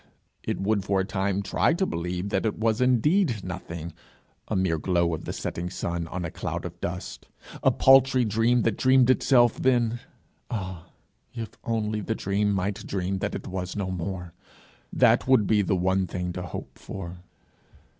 It would for a time try to believe that it was indeed nothing, a mere glow of the setting sun on a cloud of dust, a paltry dream that dreamed itself then, ah, if only the dream might dream that it was no more! that would be the one thing to hope for.